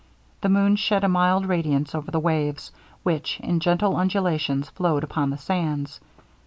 The moon shed a mild radiance over the waves, which in gentle undulations flowed upon the sands.